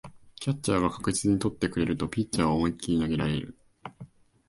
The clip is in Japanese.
キャッチャーが確実に捕ってくれるとピッチャーは思いっきり投げられる